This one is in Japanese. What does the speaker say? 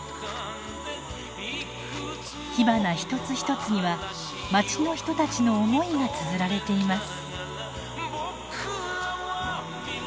火花一つ一つにはまちの人たちの思いがつづられています。